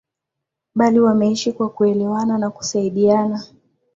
bali wameishi kwa kuelewana na kusaidiana